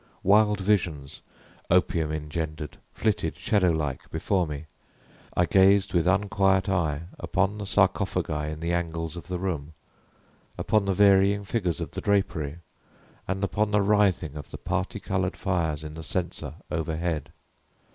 Wild visions, opium engendered, flitted, shadow like, before me. I gazed with unquiet eye upon the sarcophagi in the angles of the room, upon the varying figures of the drapery, and upon the writhing of the parti colored fires in the censer overhead.